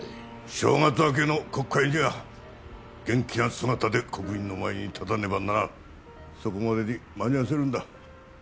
正月明けの国会には元気な姿で国民の前に立たねばならんそこまでに間に合わせるんだ